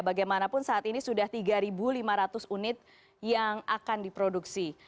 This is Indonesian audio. bagaimanapun saat ini sudah tiga lima ratus unit yang akan diproduksi